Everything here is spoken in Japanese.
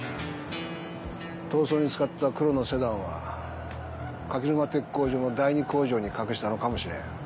逃走に使った黒のセダンは垣沼鉄工所の第二工場に隠したのかもしれん。